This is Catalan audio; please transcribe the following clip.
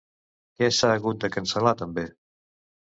Què s'ha hagut de cancel·lar també?